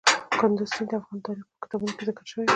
کندز سیند د افغان تاریخ په کتابونو کې ذکر شوی دي.